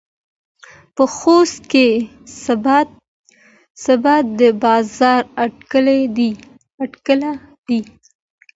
په خوست کې سباته د باران اټکل دى.